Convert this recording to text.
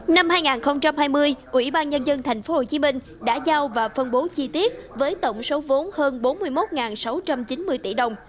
năm hai nghìn hai mươi ủy ban nhân dân tp hcm đã giao và phân bố chi tiết với tổng số vốn hơn bốn mươi một sáu trăm chín mươi tỷ đồng